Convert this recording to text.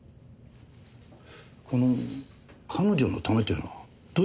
この「彼女のため」というのはどういう事ですか？